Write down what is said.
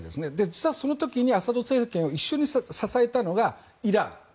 実はその時にアサド政権を一緒に支えたのがイラン。